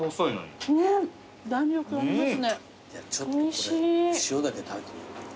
ちょっとこれ塩だけで食べてみよう。